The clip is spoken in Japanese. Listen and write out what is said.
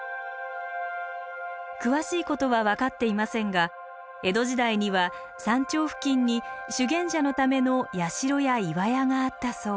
詳しいことは分かっていませんが江戸時代には山頂付近に修験者のための社や岩屋があったそう。